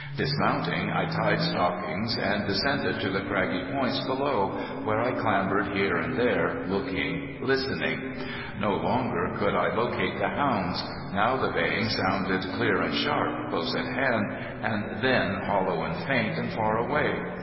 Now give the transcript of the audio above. Dismounting I tied Stockings, and descended to the craggy points below, where I clambered here and there, looking, listening. No longer could I locate the hounds; now the baying sounded clear and sharp, close at hand, and then hollow and faint, and far away.